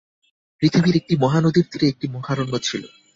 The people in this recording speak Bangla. পৃথিবীর একটি মহানদীর তীরে একটি মহারণ্য ছিল।